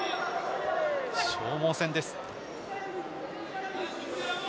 消耗戦です。